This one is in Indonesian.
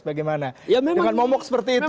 bagaimana dengan momok seperti itu